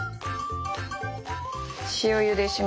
塩ゆでします。